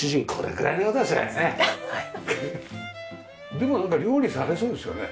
でもなんか料理されそうですよね？